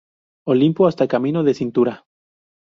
Olimpo hasta Camino de Cintura.